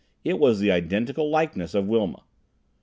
It was the identical likeness of Wilma.